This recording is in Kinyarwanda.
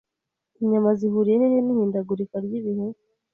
Inyama zihuriye hehe n'ihindagurika ry'ibihe?